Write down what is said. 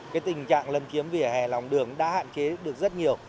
cái tình trạng lân chiếm vỉa hè lòng đường đã hạn chế được rất nhiều